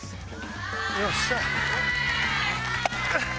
よっしゃ！